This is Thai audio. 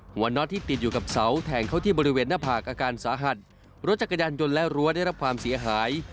น็อตที่ติดอยู่กับเสาแทงเข้าที่บริเวณหน้าผากอาการสาหัสรถจักรยานยนต์และรั้วได้รับความเสียหาย